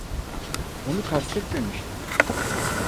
Onu kastetmemiştim.